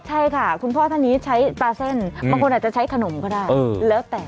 ใช่ค่ะคุณพ่อท่านนี้ใช้ปลาเส้นบางคนอาจจะใช้ขนมก็ได้แล้วแต่